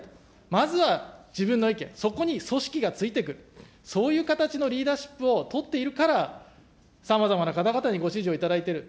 まずは自分の意見、そこに組織がついてくる、そういう形のリーダーシップを取っているから、さまざまな方々にご支持を頂いている。